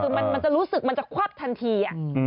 คือมันจะรู้สึกมันจะควับทันที